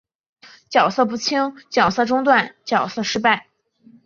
角色不清角色中断角色失败